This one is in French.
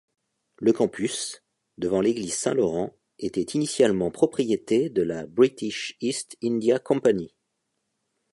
Le campus, devant l'église Saint-Laurent, était initialement propriété de la British East India Company.